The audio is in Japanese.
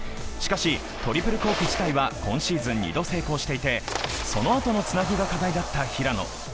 しかし、トリプルコーク自体は今シーズン２度成功していてそのあとのつなぎが課題だった平野。